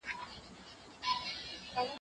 زه اوږده وخت زدکړه کوم؟